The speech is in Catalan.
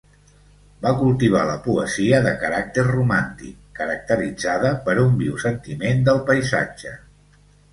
Va cultivar la poesia de caràcter romàntic, caracteritzada per un viu sentiment del paisatge.